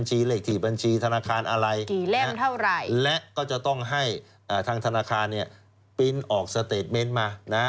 ข้อที่สองเงินฝาก